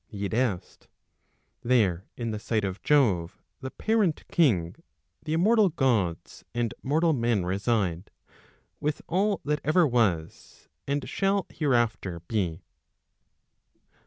i. e. There in the sight of Jove, the parent king, Th' immortal gods and mortal men reside. With all that ever was, and shall hereafter be.